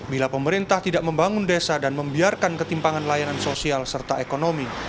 bila pemerintah tidak membangun desa dan membiarkan ketimpangan layanan sosial serta ekonomi